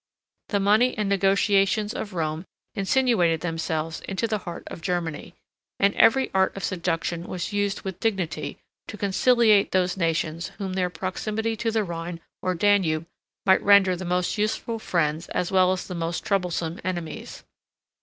The money and negotiations of Rome insinuated themselves into the heart of Germany; and every art of seduction was used with dignity, to conciliate those nations whom their proximity to the Rhine or Danube might render the most useful friends as well as the most troublesome enemies.